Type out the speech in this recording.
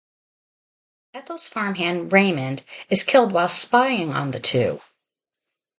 Ethel's farmhand Raymond is killed while spying on the two.